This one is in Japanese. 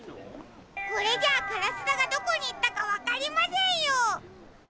これじゃあからすだがどこにいったかわかりませんよ。